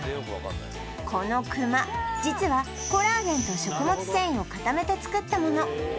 このくま実はコラーゲンと食物繊維を固めて作った物